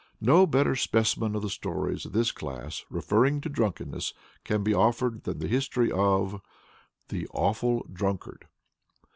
No better specimen of the stories of this class referring to drunkenness can be offered than the history of THE AWFUL DRUNKARD.